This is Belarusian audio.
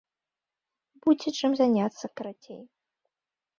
Будзе, чым заняцца, карацей.